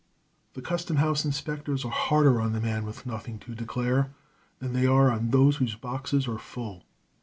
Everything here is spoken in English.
The Custom House inspectors are harder on the man with nothing to declare than they are on those whose boxes are full.